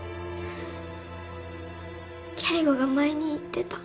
圭吾が前に言ってた。